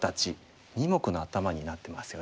２目のアタマになってますよね。